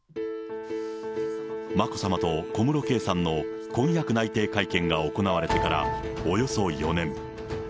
眞子さまと小室圭さんの婚約内定会見が行われてからおよそ４年。